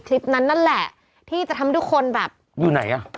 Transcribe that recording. คลิปนั้นนั่นแหละที่จะทำให้ทุกคนแบบอยู่ไหนอ่ะ